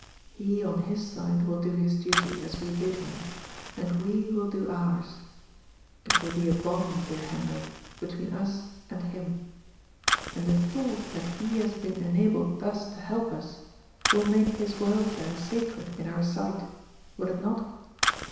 He, on his side, will do his duty, as we bid him, and 134 GOD'S FOOL. we will do ours. It will be a bond, dear Hendrik, between ns and him. And the thought that he has been enabled thus to help us will make his welfare sacred in our sight ; will it not?''